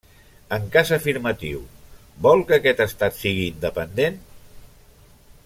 En cas afirmatiu, vol que aquest Estat sigui independent?